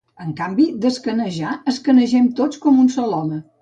En canvi, d'escanejar escanegem tots com un sol home.